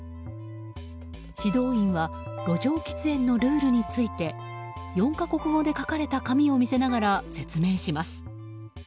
指導員は路上喫煙のルールについて４か国語で書かれた紙を見せながら、説明します。